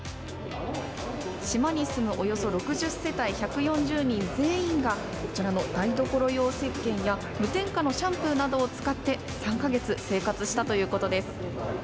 島に住むおよそ６０世帯１４０人全員がこちらの台所用せっけんや無添加のシャンプーなどを使って３か月生活したということです。